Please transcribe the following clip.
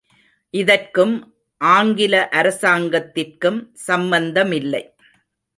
இதற்கும் ஆங்கில அரசாங்கத்திற்கும் சம்பந்தமில்லை.